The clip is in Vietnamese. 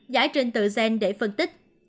giải trình tự gen để phân tích